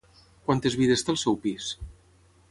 Quantes vides té el seu pis?